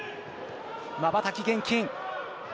まばたき厳禁。